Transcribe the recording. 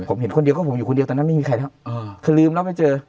ผมเห็นคนเดียวก็ผมอยู่คนเดียวตอนนั้นไม่มีใครแล้วคือลืมแล้วไม่เจอ